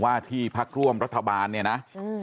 ว่าที่พักร่วมรัฐบาลเนี่ยนะ